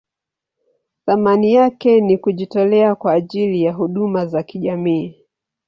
Thamani yake ni kujitolea kwa ajili ya huduma za kijamii.